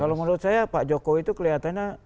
kalau menurut saya pak jokowi itu kelihatannya